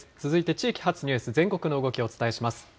続いて地域発ニュース、全国の動きをお伝えします。